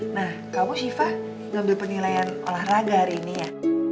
nah kamu shiva ngambil penilaian olahraga hari ini ya